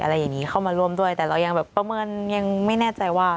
อะไรอย่างนี้เข้ามาร่วมด้วยแต่เรายังแบบประเมินยังไม่แน่ใจว่า